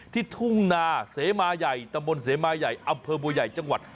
ที่ทุ่งนาเสมายัยตำบลเสมายัยอำเภอบัวยัยจังหวัด